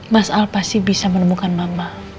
mas al pasti bisa menemukan mama